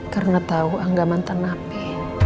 karena tahu angga mantan napi